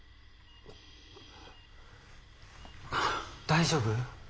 大丈夫？